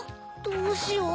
どうしよう。